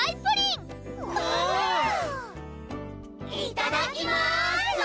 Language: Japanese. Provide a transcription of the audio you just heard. いただきまーす！